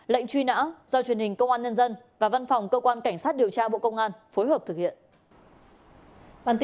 lệnh truy nã do truyền hình công an nhân dân và văn phòng cơ quan cảnh sát điều tra bộ công an phối hợp thực hiện